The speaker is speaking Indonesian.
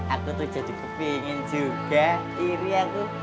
aku tuh jadi kepengen juga iri aku